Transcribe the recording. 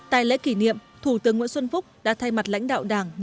tại lễ kỷ niệm thủ tướng nguyễn xuân phúc đã thay mặt lãnh đạo đảng